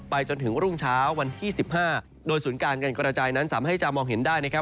จนถึงรุ่งเช้าวันที่๑๕โดยศูนย์การการกระจายนั้นสามารถให้จะมองเห็นได้นะครับ